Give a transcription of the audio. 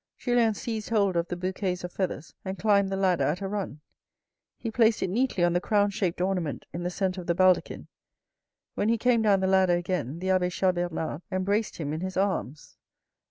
Julien seized hold of the bouquets of feathers and climbed the ladder at a run. He placed it neatly on the crown shaped ornament in the centre of the baldachin. When he came down the ladder again, the abbe Chas Bernard embraced him in his arms.